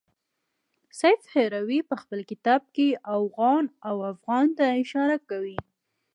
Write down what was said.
سیف هروي په خپل کتاب کې اوغان او افغان ته اشاره کوي.